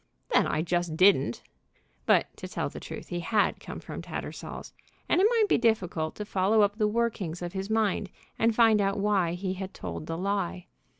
"Then I just didn't!" But to tell the truth he had come from Tattersall's, and it might be difficult to follow up the workings of his mind and find out why he had told the lie.